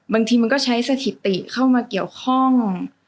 บางทีมันก็ใช้สถิติเข้ามาเกี่ยวข้อง